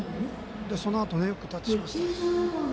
そのあともよくタッチしました。